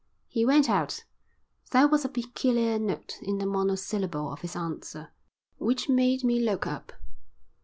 He went out. There was a peculiar note in the monosyllable of his answer which made me look up.